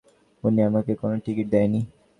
উনি আমাকে কোন টিকিট দেননি।